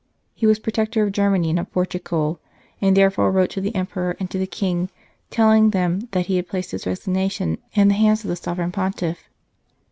He was Protector of Germany and of Portugal, and therefore wrote to the Emperor and to the King, telling them that he had placed his resignation in the hands of the Sovereign Pontiff.